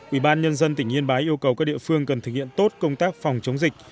ủy ban nhân dân tỉnh yên bái yêu cầu các địa phương cần thực hiện tốt công tác phòng chống dịch